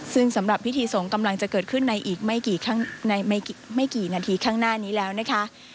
ซึ่งสำหรับพิธีสงฆ์กำลังจะเกิดขึ้นในอีกไม่กี่นาทีข้างหน้านี้แล้วนะคะ